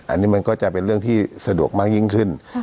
อันนี้มันก็จะเป็นเรื่องที่สะดวกมากยิ่งขึ้น